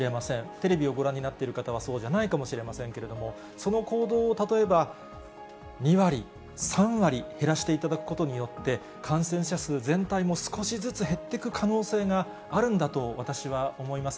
テレビをご覧になっている方はそうじゃないかもしれませんけれども、その行動を、例えば２割、３割減らしていただくことによって、感染者数全体も少しずつ減っていく可能性があるんだと私は思います。